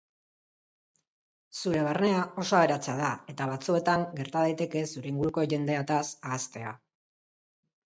Zure barnea oso aberatsa da eta batzuetan egrta daiteke zure inguruko jendeataz ahaztea.